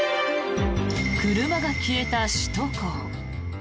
車が消えた首都高。